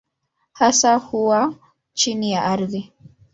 Hasa huwa chini ya ardhi.